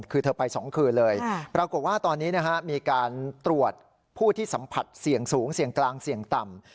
คือเธอไป๒คืนเลยปรากฏว่าตอนนี้มีการตรวจผู้ที่สัมผัสเสี่ยงสูงเสี่ยงกลางเสี่ยงต่ำ